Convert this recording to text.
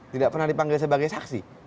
tidak pernah dipanggil sebagai saksi